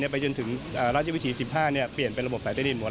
ไปจนถึงราชวิถี๑๕เปลี่ยนเป็นระบบสายใต้ดินหมด